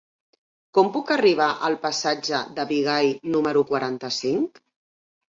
Com puc arribar al passatge de Bigai número quaranta-cinc?